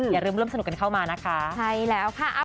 อย่าลืมเริ่มสนุกกันเข้ามานะคะ